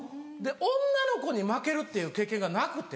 女の子に負けるっていう経験がなくて。